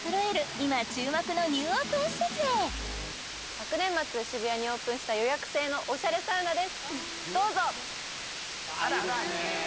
今注目のニューオープン施設へ昨年末渋谷にオープンした予約制のオシャレサウナですどうぞ！